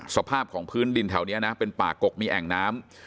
สภาพของพื้นดินแถวนี้นะเป็นป่ากกมีแอ่งน้ำ